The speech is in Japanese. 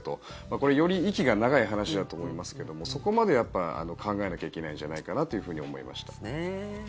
これ、より息が長い話だと思いますけどもそこまでやっぱり考えなきゃいけないんじゃないかなというふうに思いました。